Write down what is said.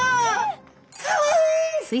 かわいい！